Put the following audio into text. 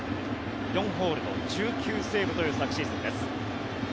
４ホールド１９セーブという昨シーズンです。